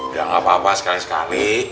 gak apa apa sekali sekali